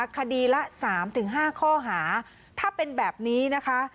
คดีละ๓๕ข้อหาถ้าเป็นแบบนี้นะคะ